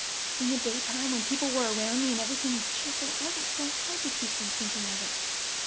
In the daytime, when people were around me and everything was cheerful, it wasn't so hard to keep from thinking of it.